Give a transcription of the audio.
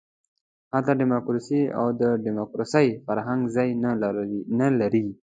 هلته ډیموکراسي او د ډیموکراسۍ فرهنګ ځای نه لري.